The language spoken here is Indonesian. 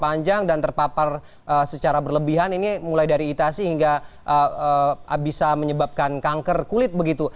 panjang dan terpapar secara berlebihan ini mulai dari itasi hingga bisa menyebabkan kanker kulit begitu